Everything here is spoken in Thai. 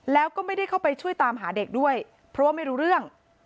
แล้วก็ไม่ได้เข้าไปช่วยตามหาเด็กด้วยเพราะว่าไม่รู้เรื่อง